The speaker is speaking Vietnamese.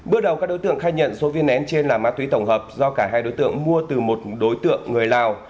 bước đầu các đối tượng khai nhận số viên nén trên là ma túy tổng hợp do cả hai đối tượng mua từ một đối tượng người lào